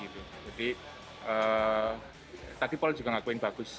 tapi paul juga ngakuin bagus